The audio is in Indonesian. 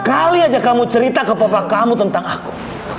kali aja kamu cerita ke papa kamu tentang aku